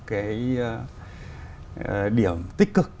cái điểm tích cực